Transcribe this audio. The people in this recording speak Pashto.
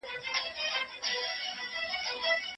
چيري د ښه ژوند لپاره ډېر مناسب شرایط برابر دي؟